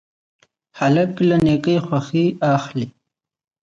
هلک له نیکۍ خوښي اخلي.